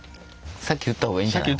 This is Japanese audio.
先言った方がいいんじゃない。